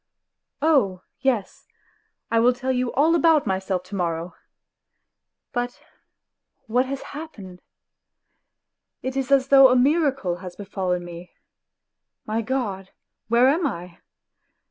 ..."" Oh yes, I will tell you all about myself to morrow ! But what WHITE NIGHTS 11 has happened ? It is as though a miracle had befallen me. ... My God, where am I